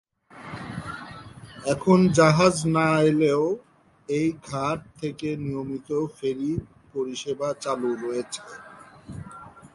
এখন জাহাজ না এলেও এই ঘাট থেকে নিয়মিত ফেরী পরিষেবা চালু রয়েছে।